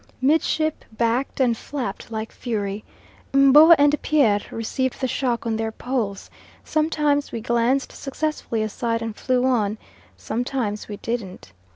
Midship backed and flapped like fury; M'bo and Pierre received the shock on their poles; sometimes we glanced successfully aside and flew on; sometimes we didn't.